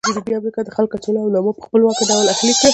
جنوبي امریکا خلکو کچالو او لاما په خپلواکه ډول اهلي کړل.